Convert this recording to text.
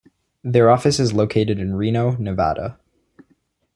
Their office is located in Reno, Nevada.